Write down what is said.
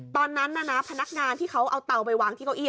ตอนนั้นน่ะนะพนักงานที่เขาเอาเตาไปวางที่เก้าอี้